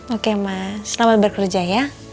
oke mas selamat bekerja ya